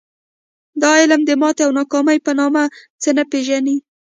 دا علم د ماتې او ناکامۍ په نامه څه نه پېژني